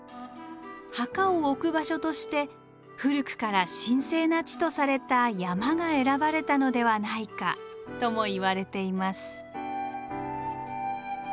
墓を置く場所として古くから神聖な地とされた山が選ばれたのではないかともいわれています。